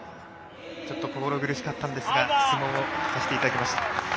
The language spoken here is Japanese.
ちょっと心苦しかったんですが質問をさせていただきました。